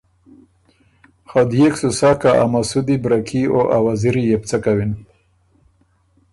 خه دئېک سُو سۀ که ا مسُودی برکي او ا وزیري يې بو څۀ کَوِن؟